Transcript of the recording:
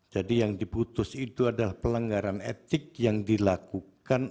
jadi yang diputus itu adalah pelanggaran etik yang dilakukan